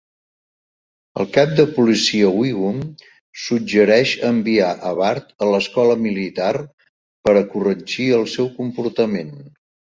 El cap de policia Wiggum suggereix enviar a Bart a l'escola militar per a corregir el seu comportament.